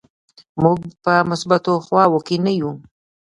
موږ په مثبتو خواو کې نه یو.